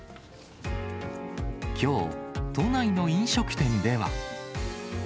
きょう、都内の飲食店では。